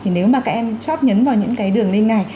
thì nếu mà các em chóp nhấn vào những cái đường link này